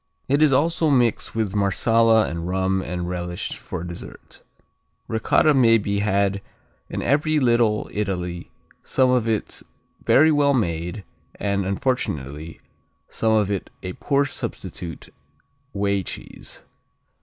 It is also mixed with Marsala and rum and relished for dessert Ricotta may be had in every Little Italy, some of it very well made and, unfortunately, some of it a poor substitute whey cheese.